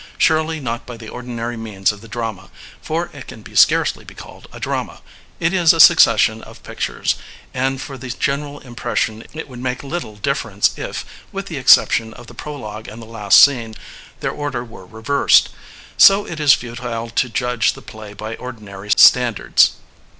Surely not by the ordinary means of the drama, for it can scarcely be called a drama. It is a succession of pictures, and for the general impression it would make little difference if, with the exception of the prologue and the last scene, their order were re LEONID ANDREYEV 33 versed. So it is futile to judge the play by ordi nary standards.